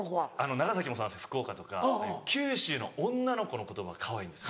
長崎もそうなんですけど福岡とか九州の女の子の言葉はかわいいんです。